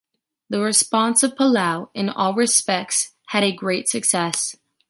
The response of Palau in all respects had a great success.